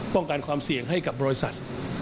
ป้องกันความเสี่ยงให้กับบริษัท